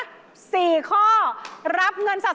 รับเงินสะสมไป๒หมื่นบาท